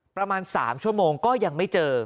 ประมาณ๓ชั่วโมงก็ยังไม่เจอ